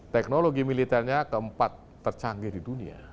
teknologi militernya keempat tercanggih di dunia